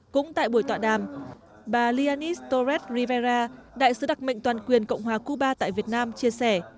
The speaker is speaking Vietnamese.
cũng tại buổi tọa đàm bà lianis torres rivera đại sứ đặc mệnh toàn quyền cộng hòa cuba tại việt nam chia sẻ